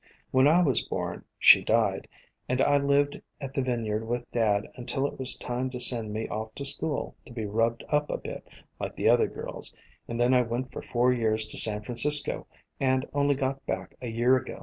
When I was born, she died, and I lived at the vineyard with dad until it was time to send me off to school to be rubbed up a bit, like the other girls, and then I went for four years to San Francisco, and only got back a year ago.